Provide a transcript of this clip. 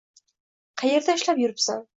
Qaerda ishlab yuribsan